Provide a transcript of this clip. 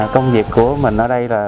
công việc của mình ở đây là